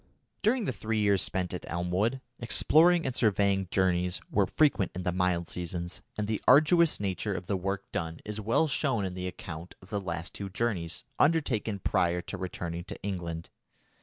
During the three years spent at Elmwood, exploring and surveying journeys were frequent in the mild seasons, and the arduous nature of the work done is well shown in the account of the last two journeys undertaken prior to returning to England.